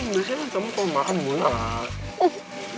biasanya kalau kamu makanan gue enak